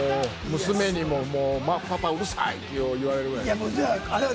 娘にもパパうるさい！って言われるぐらい。